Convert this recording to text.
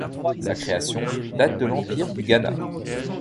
Sa création date de l'Empire du Ghana.